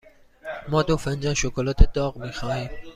ما دو فنجان شکلات داغ می خواهیم.